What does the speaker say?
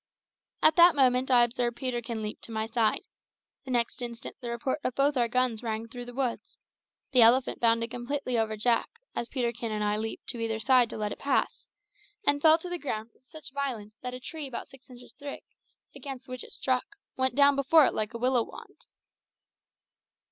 At that moment I observed Peterkin leap to my side; the next instant the report of both our guns rang through the woods; the elephant bounded completely over Jack, as Peterkin and I leaped to either side to let it pass, and fell to the ground with such violence that a tree about six inches thick, against which it struck, went down before it like a willow wand.